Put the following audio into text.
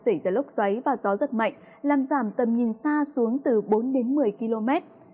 xảy ra lốc xoáy và gió giật mạnh làm giảm tầm nhìn xa xuống từ bốn đến một mươi km